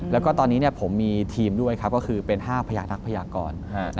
แล้วก็ตอนนี้ผมมีทีมด้วยครับก็คือเป็น๕พญานักพยากร